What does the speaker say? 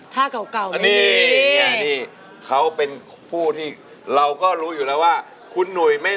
ถ้าเก่าไม่มี